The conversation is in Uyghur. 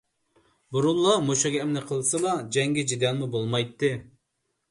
بۇرۇنلا مۇشۇ گەپنى قىلسىلا جەڭگى - جېدەلمۇ بولمايتتى.